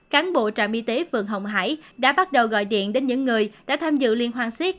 cán bộ trạm y tế phường hồng hải đã bắt đầu gọi điện đến những người đã tham dự liên hoàng siết